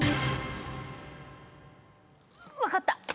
分かった！